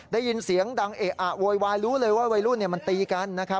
ได้ยินเสียงดังเอะอะโวยวายรู้เลยว่าวัยรุ่นมันตีกัน